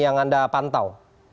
yang anda pantau